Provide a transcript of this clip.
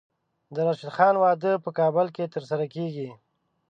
د راشد خان واده په کابل کې ترسره کیږي.